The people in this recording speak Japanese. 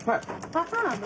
あっそうなんだ。